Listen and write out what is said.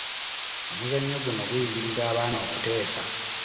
Omuzannyo guno guyigiriza abaana okuteesa.